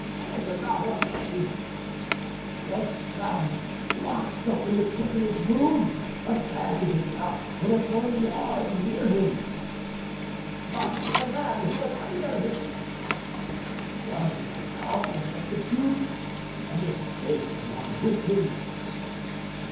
"And La Ramee?" "Was found locked up in the prisoner's room, a gag in his mouth and a poniard near him." "But the man who was under him?" "Was an accomplice of the duke's and escaped along with him."